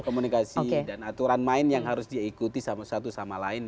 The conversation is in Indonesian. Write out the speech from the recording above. komunikasi dan aturan main yang harus diikuti satu sama lain